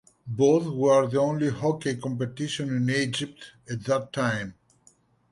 Both were the only hockey competition in Egypt at that time.